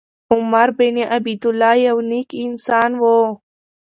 عمر بن عبیدالله یو نېک انسان و.